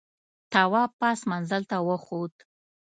تواب پاس منزل ته وخوت.